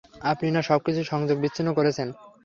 আপনি না সবকিছুর সংযোগ বিচ্ছিন্ন করেছেন?